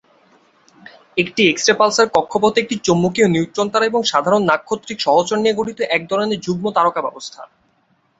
একটি x-ray pulsar, কক্ষপথে একটি চৌম্বকীয় নিউট্রন তারা এবং সাধারণ নাক্ষত্রিক সহচর নিয়ে গঠিত এক ধরনের যুগ্ম তারকা ব্যবস্থা।